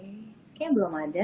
hai keknya belum ada